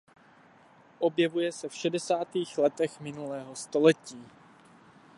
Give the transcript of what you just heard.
Objevuje se v šedesátých letech minulého století.